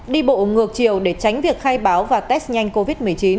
đi bộ ngược chiều để tránh việc khai báo và test nhanh covid một mươi chín